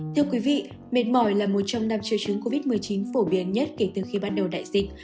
thưa quý vị mệt mỏi là một trong năm triệu chứng covid một mươi chín phổ biến nhất kể từ khi bắt đầu đại dịch